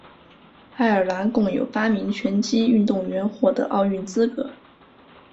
爱尔兰共有八名拳击运动员获得奥运资格。